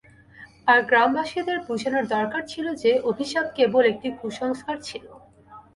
আর গ্রামবাসীদের বুঝানোর দরকার ছিল যে অভিশাপ কেবল একটা কুসংস্কার ছিল।